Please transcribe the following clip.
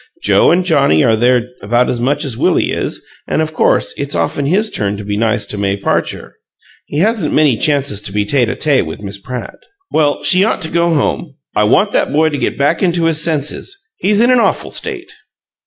Joe and Johnnie are there about as much as Willie is, and, of course, it's often his turn to be nice to May Parcher. He hasn't many chances to be tete a tete with Miss Pratt." "Well, she ought to go home. I want that boy to get back into his senses. He's in an awful state."